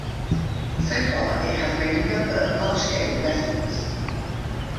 So far, it has made a number of large-scale investments.